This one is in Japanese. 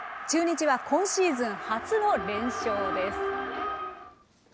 中日は今シーズン初の連勝です。